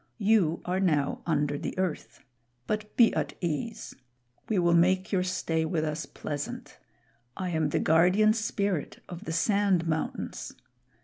You are now under the earth. But be at ease. We will make your stay with us pleasant. I am the Guardian Spirit of the Sand Mountains.